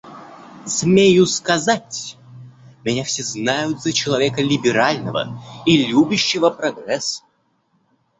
Смею сказать, меня все знают за человека либерального и любящего прогресс.